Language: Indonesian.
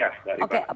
begitu dari saya